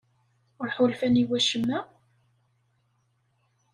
Ur ḥulfan i wacemma?